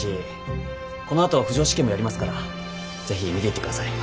このあと浮上試験もやりますから是非見ていってください。